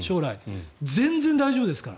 全然大丈夫ですから。